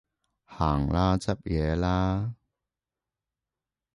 行啦，執嘢啦